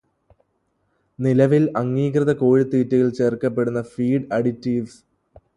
നിലവില് അംഗീകൃത കോഴിത്തീറ്റയിൽ ചേർക്കപ്പെടുന്ന feed additives.